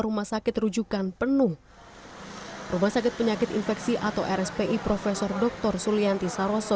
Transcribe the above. rumah sakit rujukan penuh rumah sakit penyakit infeksi atau rspi prof dr sulianti saroso